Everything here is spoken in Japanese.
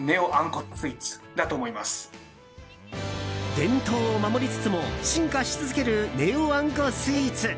伝統を守りつつも進化し続けるネオあんこスイーツ。